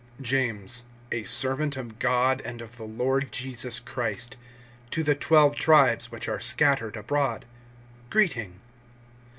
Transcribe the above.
JAMES, a servant of God and of the Lord Jesus Christ, to the twelve tribes which are scattered abroad[1:1], greeting.